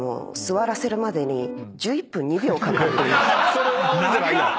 それは俺じゃないやん。